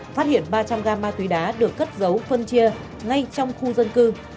phát hiện ba trăm linh g ma túy đá được cất giấu phân chia ngay trong khu dân cư